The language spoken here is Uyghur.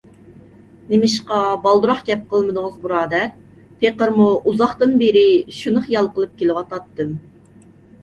نېمىشقا بالدۇرراق گەپ قىلمىدىڭىز بۇرادەر؟ پېقىرمۇ ئۇزاقتىن بېرى شۇنى خىيال قىلىپ كېلىۋاتاتتىم.